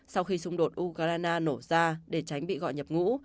sau khi xung đột ukraine nổ ra để tránh bị gọi nhập ngũ